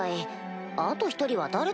あと１人は誰だ？